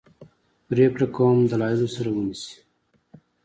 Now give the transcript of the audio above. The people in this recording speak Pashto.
پرېکړه کوم دلایلو سره ونیسي.